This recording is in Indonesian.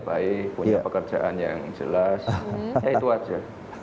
baik punya pekerjaan yang jelas ya itu aja